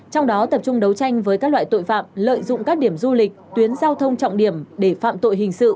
trong đó tập trung đấu tranh với các loại tội phạm lợi dụng các điểm du lịch tuyến giao thông trọng điểm để phạm tội hình sự